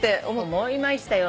思いましたよ